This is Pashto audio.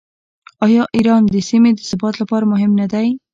آیا ایران د سیمې د ثبات لپاره مهم نه دی؟